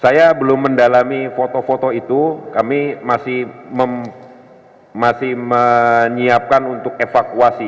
saya belum mendalami foto foto itu kami masih menyiapkan untuk evakuasi